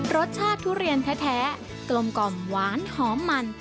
รสชาติทุเรียนแท้กลมกล่อมหวานหอมมัน